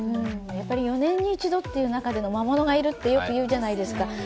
やっぱり４年に一度という中で、魔物がいるっていうじゃないですか。